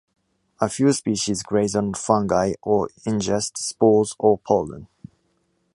A few species graze on fungi or ingest spores or pollen.